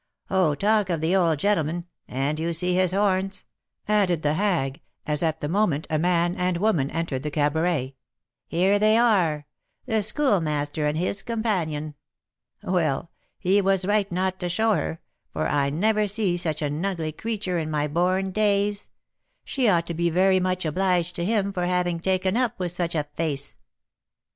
Oh, talk of the old gentleman, and you see his horns," added the hag, as at the moment a man and woman entered the cabaret; "here they are, the Schoolmaster and his companion. Well, he was right not to show her, for I never see such an ugly creetur in my born days. She ought to be very much obliged to him for having taken up with such a face."